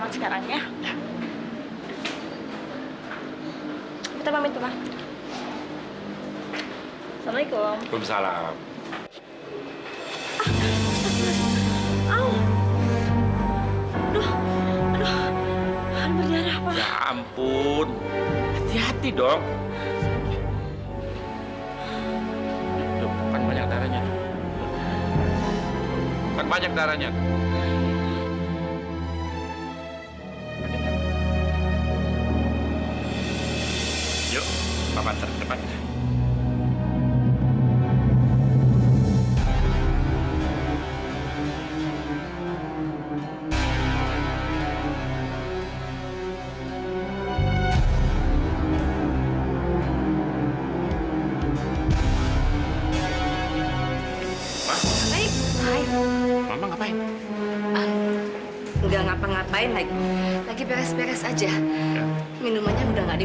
saya minta sekalian tolong cek dna sama darah yang ada di tisu ini